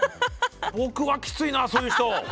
僕はきついなそういう人。